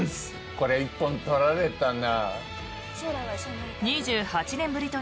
これは一本取られたな。